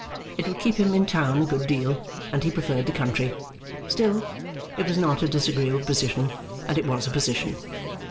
It would keep him in town a good deal, and he preferred the country. Still, it was not a disagreeable position and it was a position.